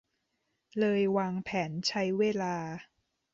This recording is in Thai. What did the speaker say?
เลยวางแผนใช้เวลา